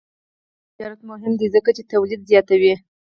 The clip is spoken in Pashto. آزاد تجارت مهم دی ځکه چې تولید زیاتوي.